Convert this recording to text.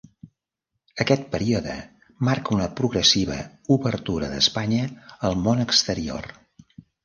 Aquest període marca una progressiva obertura d'Espanya al món exterior.